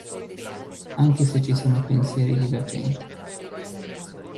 Anche se ci sono pensieri divergenti.